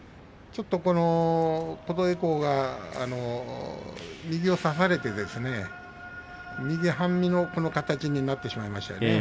琴恵光、右を差されて右半身の形になってしまいました。